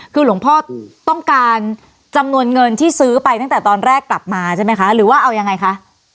คือหลวงพ่อต้องการจำนวนเงินที่ซื้อไปตั้งแต่ตอนแรกกลับมาใช่ไหมคะหรือว่าเอายังไงคะ